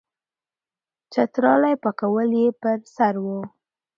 چترالی پکول یې پر سر وو.